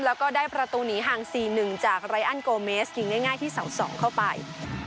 แล้วก็ได้ประตูหนีห่าง๔๑จากไรอันโกเมสยิงง่ายที่เสา๒เข้าไป